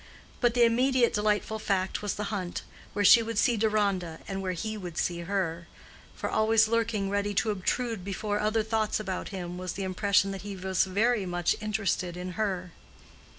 But the immediate delightful fact was the hunt, where she would see Deronda, and where he would see her; for always lurking ready to obtrude before other thoughts about him was the impression that he was very much interested in her.